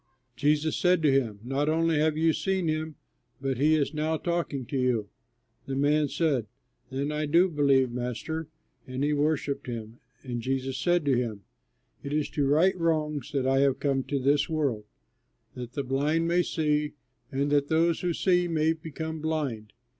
Jesus said to him, "Not only have you seen him but he is now talking to you." The man said, "Then I do believe, Master," and he worshipped him, and Jesus said to him, "It is to right wrongs that I have come to this world, that the blind may see and that those who see may become blind."